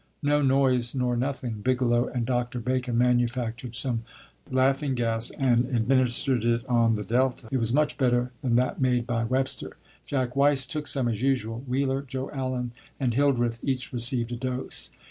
'No noise nor nothing.' Bigelow and Dr. Bacon manufactured some 'laughing gas,' and administered it on the Delta. It was much better than that made by Webster. Jack Weiss took some, as usual; Wheeler, Jo Allen, and Hildreth each received a dose.